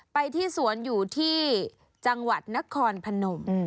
ไปที่สวนอยู่ที่จังหวัดนครพนม